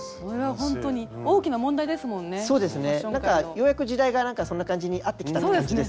ようやく時代がそんな感じに合ってきたという感じです。